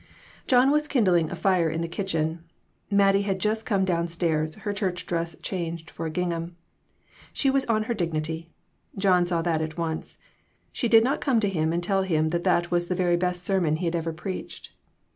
John was kindling a fire in the kitchen. Mat tie had just come down stairs, her church dress changed for a gingham. She was on her dignity. John saw that at once. She did not come to him and tell him that that was the very best sermon he had ever preached.